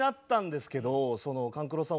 勘九郎さん